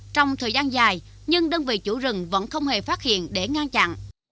trong thời gian dài nhưng đơn vị chủ rừng vẫn không hề phát hiện để ngăn chặn